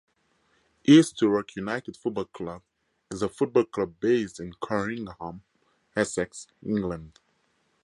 East Thurrock United Football Club is a football club based in Corringham, Essex, England.